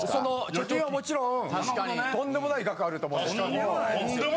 貯金はもちろんとんでもない額あると思うんですけれども。